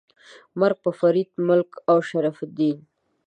مرګ په فرید ملک او شرف الدین. 🤨